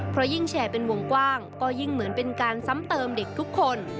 เพราะยิ่งแชร์เป็นวงกว้างก็ยิ่งเหมือนเป็นการซ้ำเติมเด็กทุกคน